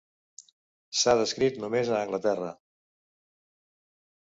S'ha descrit només a Anglaterra.